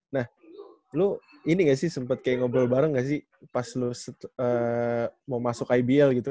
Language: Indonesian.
nah lu ini gak sih sempat kayak ngobrol bareng gak sih pas lu mau masuk ibl gitu